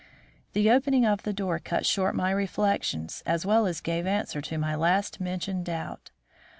The opening of the door cut short my reflections as well as gave answer to my last mentioned doubt.